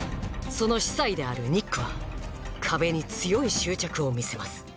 その司祭であるニックは壁に強い執着を見せます